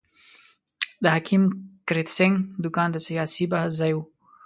د حکیم کرت سېنګ دوکان د سیاسي بحث ځای وو.